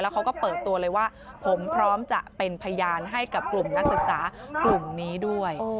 เขาก็เปิดตัวเลยว่าผมพร้อมจะเป็นพยานให้กับกลุ่มนักศึกษากลุ่มนี้ด้วย